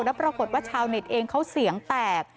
แล้วปรากฏว่าชาวเน็ตเองเขาเสียงแตก